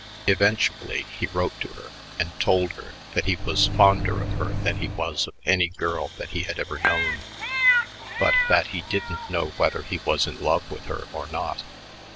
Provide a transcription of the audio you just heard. Eventually he wrote to her and told her that he was fonder of her than he was of any girl that he had ever known but that he didn't know whether he was in love with her or not.